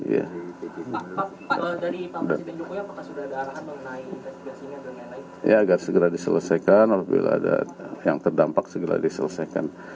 ya agar segera diselesaikan apabila ada yang terdampak segera diselesaikan